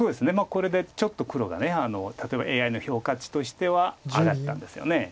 これでちょっと黒が例えばＡＩの評価値としては上がったんですよね。